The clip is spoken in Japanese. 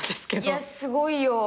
いやすごいよ。